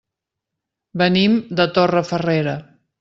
Venim de Torrefarrera.